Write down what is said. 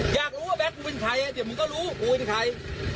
อยากรู้ว่าแบทมึงเป็นใครแต่มึงก็รู้ว่ามึงเป็นใคร